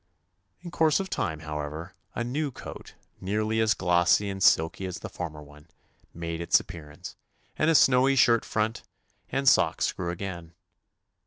In course of time, however, a new coat, nearly as glossy and silky as the former one, made its appearance, and a snowy shirt front and socks grew again.